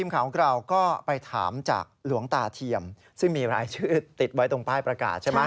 ข่าวของเราก็ไปถามจากหลวงตาเทียมซึ่งมีรายชื่อติดไว้ตรงป้ายประกาศใช่ไหม